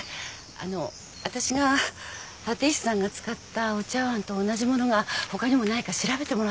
あの私が立石さんが使ったお茶わんと同じ物が他にもないか調べてもらってたんです。